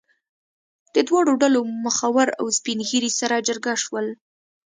د دواړو ډلو مخور او سپین ږیري سره جرګه شول.